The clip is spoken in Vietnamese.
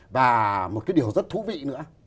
và một cái điều rất thú vị nữa